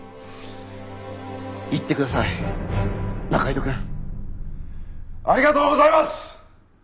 行ってください仲井戸くん。ありがとうございます！